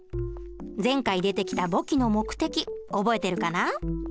前回出てきた簿記の目的覚えてるかな？